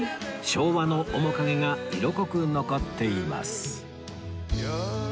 昭和の面影が色濃く残っています